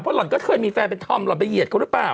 หล่อนก็เคยมีแฟนเป็นธอมหล่อนไปเหยียดเขาหรือเปล่า